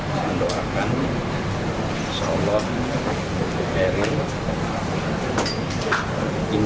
mendoakan sholat ariel